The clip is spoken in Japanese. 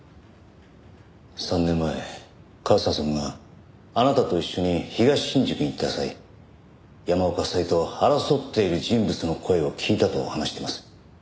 ３年前和沙さんがあなたと一緒に東新宿に行った際山岡夫妻と争っている人物の声を聞いたと話しています。